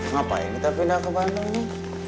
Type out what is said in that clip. ngapain kita pindah ke bandung